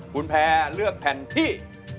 คุณแพร่เลือกแผ่นที่